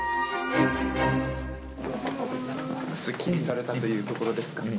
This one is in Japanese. すっきりされたというところですか？